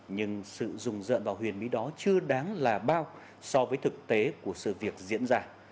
nhưng sự rùng rợn vào huyền mỹ đó chưa đáng là bao so với thực tế của sự việc diễn ra